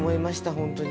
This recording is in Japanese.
本当に。